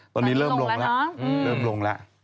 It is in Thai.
ตอนนี้เริ่มลงแล้วตอนนี้ลงแล้ว